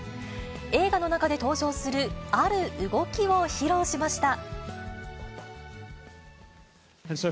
映画の中で登場するある動きを披露しました。